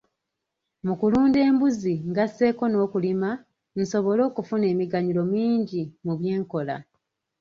Mu kulunda embuzi ngasseeko n'okulima nsobole okufuna emiganyulo mingi mu by'enkola.